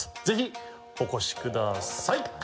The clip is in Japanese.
ぜひお越しください。